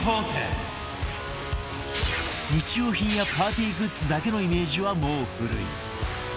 日用品やパーティーグッズだけのイメージはもう古い